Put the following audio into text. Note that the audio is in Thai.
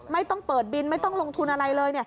ไม่ต้องเปิดบินไม่ต้องลงทุนอะไรเลย